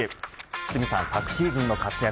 堤さん昨シーズンの活躍